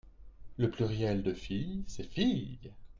le pluriel de fille c'est filles.